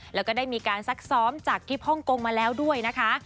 แล้วก็ได้มีการซักซ้อมจากที่ฮ่องกงมาแล้วด้วยนะคะ